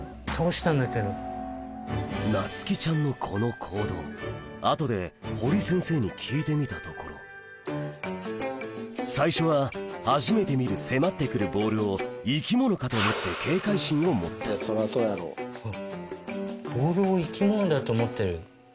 なつきちゃんのこの行動後で堀先生に聞いてみたところ最初は初めて見る迫って来るボールを生き物かと思って警戒心を持ったボールを生き物だと思ってる？